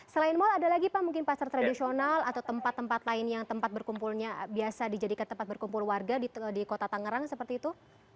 selain mal ada lagi pak mungkin pasar tradisional atau tempat tempat lain yang tempat berkumpulnya biasa dijadikan tempat berkumpul warga di kota tangerang seperti itu